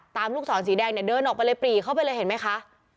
ลูกศรสีแดงเนี่ยเดินออกไปเลยปรีเข้าไปเลยเห็นไหมคะ